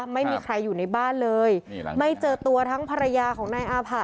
ไม่มีใครอยู่ในบ้านเลยไม่เจอตัวทั้งภรรยาของนายอาผะ